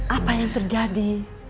apa yang terjadi